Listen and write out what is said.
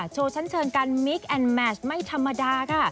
โชว์ชั้นเชิงกันมิคแอนดแมชไม่ธรรมดาค่ะ